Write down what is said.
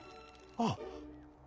あっ！